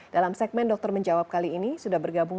bisa menular melalui airborne